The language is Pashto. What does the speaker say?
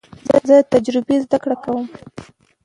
زه له تجربې زده کړه کوم.